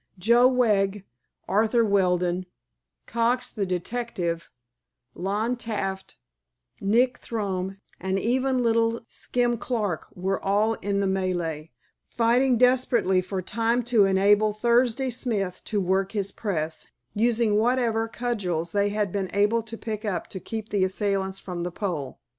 Joe Wegg, Arthur Weldon, Cox the detective, Lon Taft, Nick Thome and even little Skim Clark were all in the melee, fighting desperately for time to enable Thursday Smith to work his press, using whatever cudgels they had been able to pick up to keep the assailants from the pole.